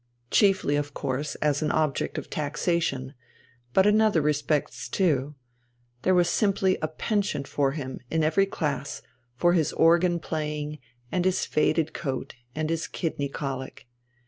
Chiefly of course as an object of taxation, but in other respects too. There was simply a penchant for him, in every class, for his organ playing and his faded coat and his kidney colic.